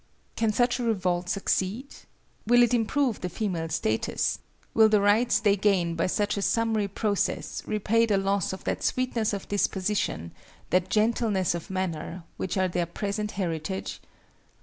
Can such a revolt succeed? Will it improve the female status? Will the rights they gain by such a summary process repay the loss of that sweetness of disposition, that gentleness of manner, which are their present heritage?